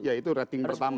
ya itu rating pertama